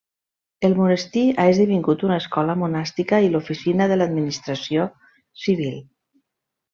El monestir ha esdevingut una escola monàstica i l'oficina de l'administració civil.